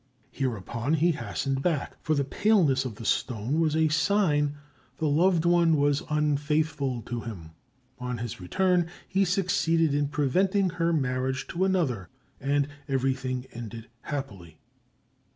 Hereupon, he hastened back, for the paleness of the stone was a sign the loved one was unfaithful to him. On his return, he succeeded in preventing her marriage to another, and everything ended happily.